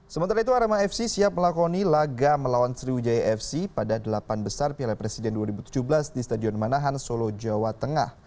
sementara itu arema fc siap melakoni laga melawan sriwijaya fc pada delapan besar piala presiden dua ribu tujuh belas di stadion manahan solo jawa tengah